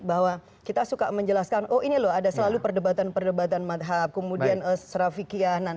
bahwa kita suka menjelaskan oh ini loh ada selalu perdebatan perdebatan madhab kemudian serafikian